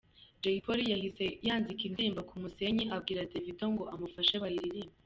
Jay Polly yahise yanzika n’indirimbo ‘Ku musenyi’ abwira Davido ngo amufashe bayiririmbe.